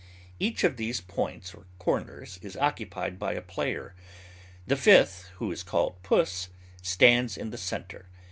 Each of these points or corners is occupied by a player; the fifth, who is called Puss, stands in the centre.